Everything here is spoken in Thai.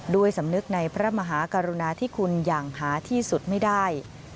ด้วยสำนึกในพระมหากรุณาที่คุณอย่างหาที่สุดไม่ได้